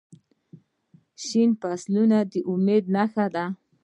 شنه فصلونه د امید نښه ده.